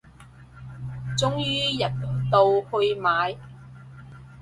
終於入到去買